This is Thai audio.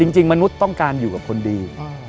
จริงมนุษย์ต้องการอยู่กับคนดี